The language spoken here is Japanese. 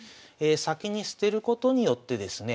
先に捨てることによってですね